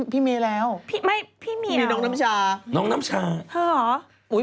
พี่เมแล้วพี่ไม่พี่เมเป็นน้องน้ำชาน้องน้ำชาเธอเหรออุ๊ย